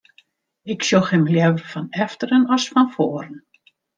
Ik sjoch him leaver fan efteren as fan foaren.